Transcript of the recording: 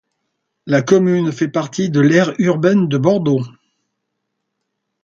La commune fait partie de l'aire urbaine de Bordeaux.